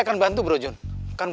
dan kita sudah ter merging